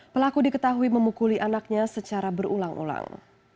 pelaku diketahui memukuli anaknya secara berulang ulang